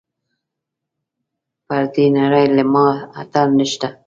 پر دې نړۍ له ما اتل نشته .